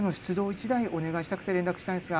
１台お願いしたくて連絡したんですが。